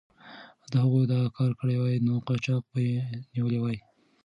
که هغوی دا کار کړی وای، نو قاچاق به یې نیولی وای.